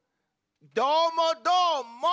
どーもどーも！